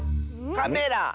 カメラ。